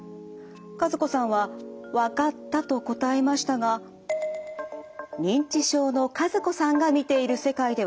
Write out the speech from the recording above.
和子さんはわかったと答えましたが認知症の和子さんが見ている世界では。